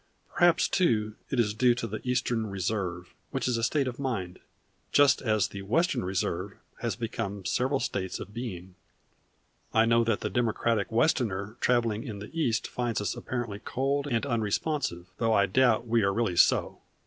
Perhaps too it is due to the Eastern Reserve, which is a State of Mind, just as the Western Reserve has become several States of Being. I know that the democratic Westerner traveling in the East finds us apparently cold and unresponsive; though I doubt we are really so.